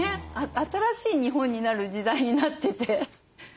新しい日本になる時代になってて。